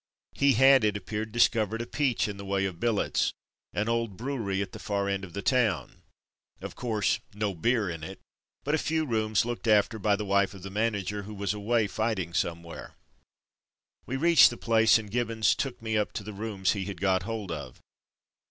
He had, it appeared, discovered a ''peach'' in the way of billets ; an old brewery at the far end of the town. Of course no beer in it, but a few rooms, looked after by the wife of the manager, who was away fighting some where. We reached the place, and Gibbons took me up to the rooms he had got hold of.